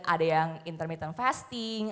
ada yang intermittent fasting